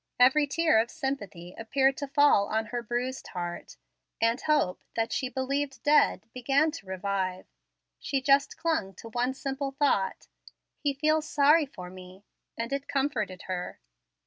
Every tear of sympathy appeared to fall on her bruised heart; and hope, that she believed dead, began to revive. She just clung to one simple thought: "He feels sorry for me"; and it comforted her.